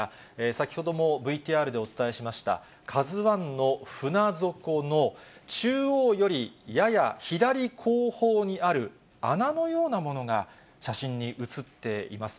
先ほどもＶＴＲでお伝えしました、ＫＡＺＵＩの船底の中央よりやや左後方にある穴のようなものが写真に写っています。